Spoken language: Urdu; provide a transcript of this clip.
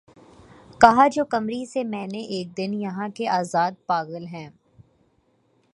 کہا جو قمری سے میں نے اک دن یہاں کے آزاد پاگل ہیں